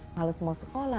males mau sekolah